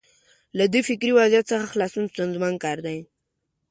له دې فکري وضعیت څخه خلاصون ستونزمن کار دی.